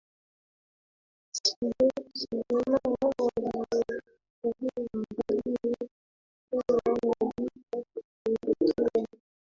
Sinema waliyoangalia ilikuwa na vita kupindukia